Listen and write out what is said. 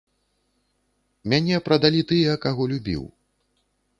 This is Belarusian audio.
Мяне прадалі тыя, каго любіў.